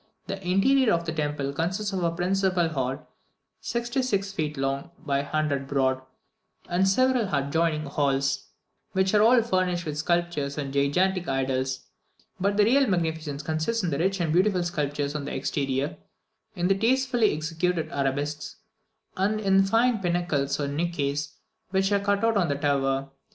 The interior of the temple consists of a principal hall (66 feet long by 100 broad), and several adjoining halls, which are all furnished with sculptures and gigantic idols; but the real magnificence consists in the rich and beautiful sculptures on the exterior, in the tastefully executed arabesques, and in the fine pinnacles and niches, which are cut out on the tower.